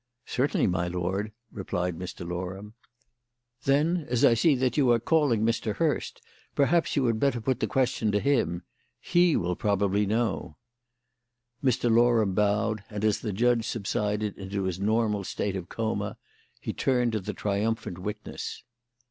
"Certainly, my lord," replied Mr. Loram. "Then, as I see that you are calling Mr. Hurst, perhaps you had better put the question to him. He will probably know." Mr. Loram bowed, and as the judge subsided into his normal state of coma he turned to the triumphant witness.